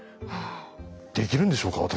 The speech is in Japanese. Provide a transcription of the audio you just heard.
できるんでしょうか私。